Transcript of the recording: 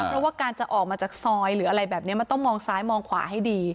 เพราะว่าการจะออกมาจากซอยหรืออะไรแบบนี้มันต้องมองซ้ายมองขวาให้ดี